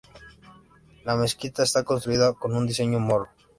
La mezquita está construida con un diseño moro.